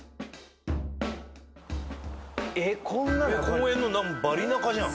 公園の中バリ中じゃん。